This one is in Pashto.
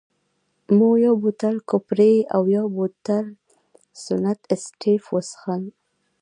مو یو بوتل کپري او یو بوتل سنت اېسټېف وڅېښل.